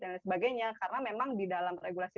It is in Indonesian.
dan sebagainya karena memang di dalam regulasi